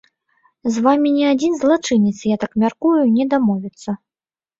З вамі ні адзін злачынец, я так мяркую, не дамовіцца.